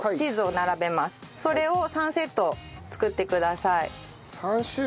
それを３セット作ってください。